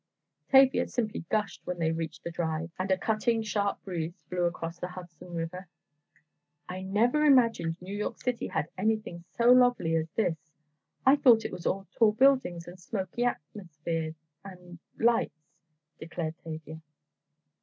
Tavia simply gushed when they reached the Drive and a cutting sharp breeze blew across the Hudson river. "I never imagined New York City had anything so lovely as this; I thought it was all tall buildings and smoky atmosphere and—lights!" declared Tavia.